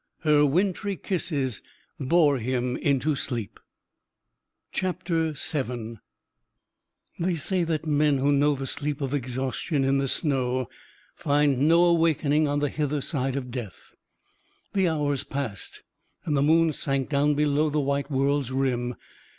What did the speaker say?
Her wintry kisses bore him into sleep. VII They say that men who know the sleep of exhaustion in the snow find no awakening on the hither side of death.... The hours passed and the moon sank down below the white world's rim.